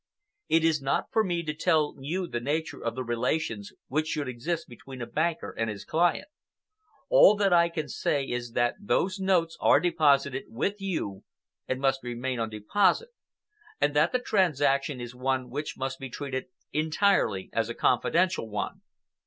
It is not for me to tell you the nature of the relations which should exist between a banker and his client. All that I can say is that those notes are deposited with you and must remain on deposit, and that the transaction is one which must be treated entirely as a confidential one.